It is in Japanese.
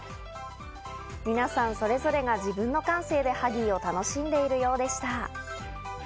皆さん、それぞれが自分の感性でハギーを楽しんでいるようでした。